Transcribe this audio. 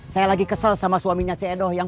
saya lagi kesel sama suaminya ce edoh yang